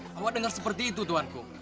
kamu dengar seperti itu tuanku